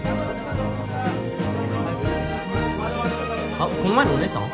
あっこの前のお姉さん？